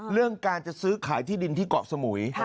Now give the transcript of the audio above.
เรื่องการจะซื้อขายที่ดินที่เกาะสมุย